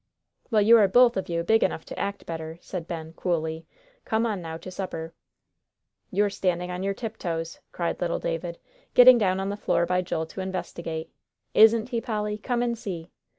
"Well, you are both of you big enough to act better," said Ben, coolly. "Come on, now, to supper." "You're standing on your tiptoes," cried little David, getting down on the floor by Joel to investigate. "Isn't he, Polly? Come and see."